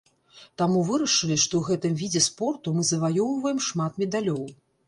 Таму вырашылі, што ў гэтым відзе спорту мы заваёўваем шмат медалёў.